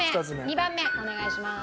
２番目お願いします。